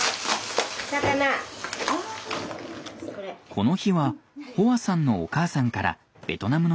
この日はホアさんのお母さんからベトナムの食材が届きました。